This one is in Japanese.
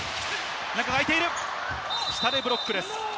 中が空いている、下でブロックです。